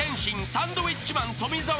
サンドウィッチマン富澤